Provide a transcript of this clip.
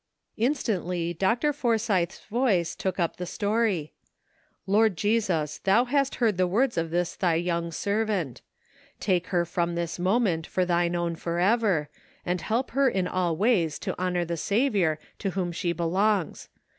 Instantly Dr. Forsythe's voice took up the story :" Lord Jesus, thou hast heard the words of this thy young servant ; take her from this moment for thine own forever, and help her in all ways to honor the Saviour to whom she be longs.